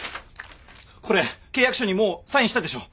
これ契約書にもうサインしたでしょ。